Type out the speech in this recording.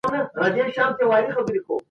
هغه د خپل همکار په نیوکو هېڅکله خفه نه سو.